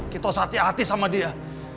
kita harus hati hati sama dia